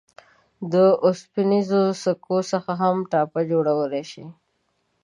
د اوسپنیزو سکو څخه هم ټاپه جوړولای شئ.